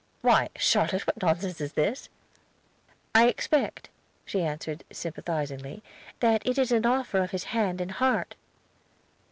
"Why, Charlotte, what nonsense is this?" "I expect," she answered sympathizingly, "that it is an offer of his hand and heart."